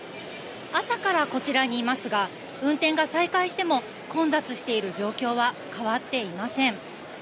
朝からこちらにいますが運転が再開しても混雑している状況は変わっていません。